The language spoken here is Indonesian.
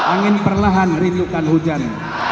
angin perlahan rindukan hujan